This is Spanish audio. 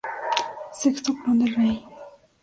Sexto clon de Rei.